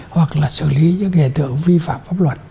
hoặc là xử lý những hiện tượng vi phạm pháp luật